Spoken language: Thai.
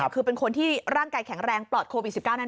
คือเป็นคนที่ร่างกายแข็งแรงปลอดโควิด๑๙นั่นเอง